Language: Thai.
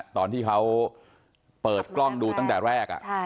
ตอนที่เขาเปิดกล้องดูตั้งแต่แรก